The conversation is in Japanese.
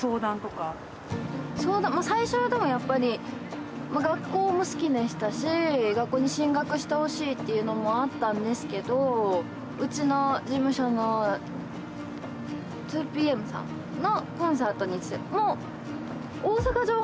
最初は、でもやっぱり、学校も好きでしたし学校に進学してほしいっていうのもあったんですけどうちの事務所の２ＰＭさんのコンサートに。